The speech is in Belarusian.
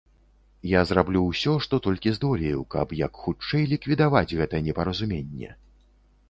Я зраблю ўсё, што толькі здолею, каб як хутчэй ліквідаваць гэта непаразуменне.